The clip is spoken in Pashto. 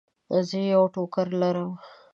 زه یو ټوکر لرم.